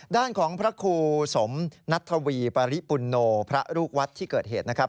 ด้านของพระครูสมนัททวีปริปุณโนพระลูกวัดที่เกิดเหตุนะครับ